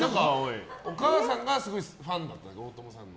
お母さんがすごいファンだと大友さんの。